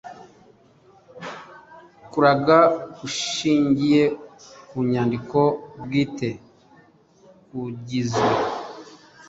kuraga gushingiye ku nyandiko bwite kugizwe: